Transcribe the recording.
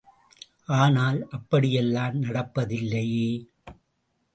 ஆனால் அப்படி எல்லாம் நடப்பதில்லையே!